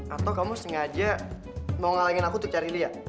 atau kamu sengaja mau ngalangin aku untuk cari dia